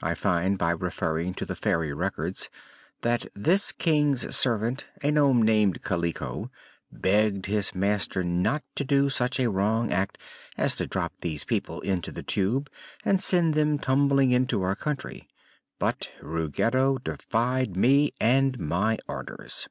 I find, by referring to the Fairy Records, that this King's servant, a nome named Kaliko, begged his master not to do such a wrong act as to drop these people into the Tube and send them tumbling into our country. But Ruggedo defied me and my orders.